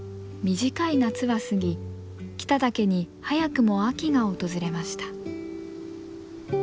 短い夏は過ぎ北岳に早くも秋が訪れました。